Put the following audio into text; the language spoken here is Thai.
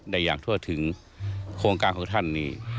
อย่างทั่วถึงโครงการของท่านนี่